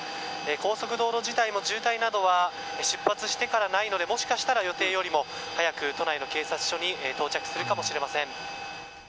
高速道路自体も渋滞などは出発してからないのでもしかしたら予定よりも早く都内の警察署に到着するかもしれません。